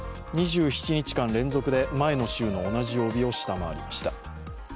２７日間連続で前の週の同じ曜日を下回りました。